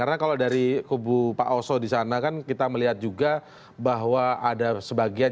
karena kalau dari kubu pak oso di sana kan kita melihat juga bahwa ada sebagian